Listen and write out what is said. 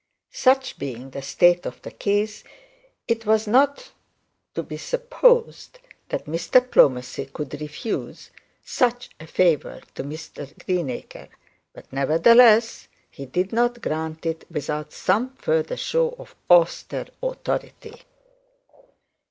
Such being the state of the case, it was not to be supposed that Mr Plomacy could refuse such a favour to Mr Greenacre; but nevertheless he not grant it without some further show of austere authority.